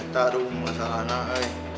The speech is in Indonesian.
tadung masalah nak